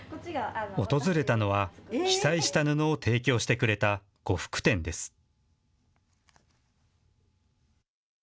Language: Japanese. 訪れたのは被災した布を提供してくれた呉服店です。